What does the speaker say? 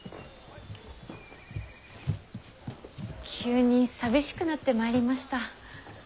急に寂しくなってまいりました。